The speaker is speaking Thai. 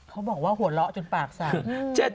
เขาบอกว่าหัวหม่อจนปากสั่ง